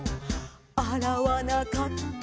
「あらわなかったな